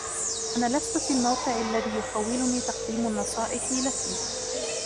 أنا لست في الموقع الذي يخوّلني تقديم النصائح لك